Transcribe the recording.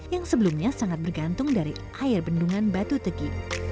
yang sebelumnya sangat bergantung dari air bendungan batu tegi